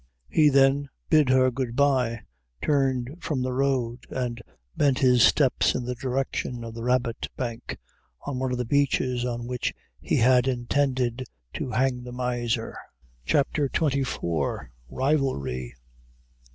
He then bid her good bye, turned from the road, and bent his steps in the direction of the Rabbit Bank, on one of the beeches of which he had intended to hang the miser. CHAPTER XXIV. Rivalry.